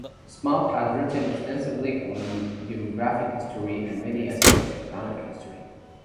Smout has written extensively on demographic history and many aspects of economic history.